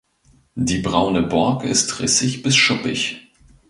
Die braune Borke ist rissig bis schuppig.